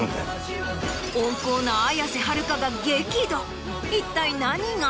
温厚な綾瀬はるかが激怒一体何が？